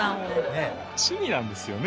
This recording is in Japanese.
「ねえ」趣味なんですよね